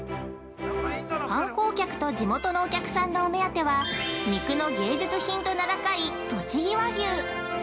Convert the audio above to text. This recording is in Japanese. ◆観光客と地元のお客さんのお目当ては肉の芸術品と名高い「とちぎ和牛」。